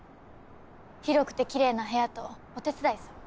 広くてきれいな部屋とお手伝いさん。